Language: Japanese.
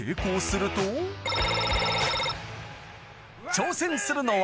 挑戦するのは